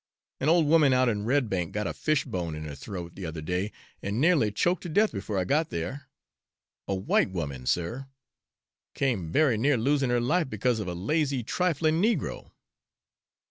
An old woman out in Redbank got a fishbone in her throat, the other day, and nearly choked to death before I got there. A white woman, sir, came very near losing her life because of a lazy, trifling negro!"